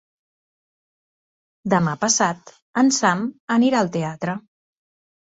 Demà passat en Sam anirà al teatre.